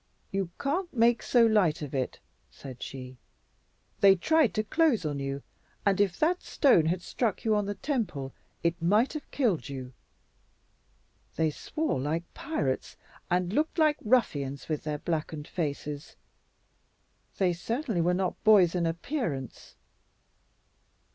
"You can't make so light of it," said she. "They tried to close on you, and if that stone had struck you on the temple, it might have killed you. They swore like pirates, and looked like ruffians with their blackened faces. They certainly were not boys in appearance."